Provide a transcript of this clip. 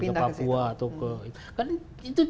ke papua atau ke kan itu